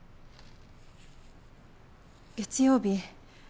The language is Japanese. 月曜日